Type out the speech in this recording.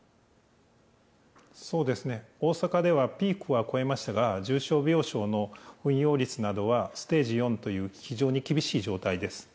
そうですね、大阪ではピークは越えましたが、重症病床の運用率などはステージ４という、非常に厳しい状態です。